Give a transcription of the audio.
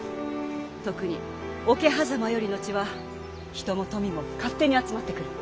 特に桶狭間より後は人も富も勝手に集まってくる。